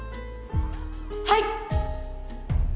はい！